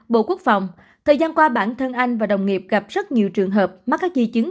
bộ quốc phòng thời gian qua bản thân anh và đồng nghiệp gặp rất nhiều trường hợp mắc các di chứng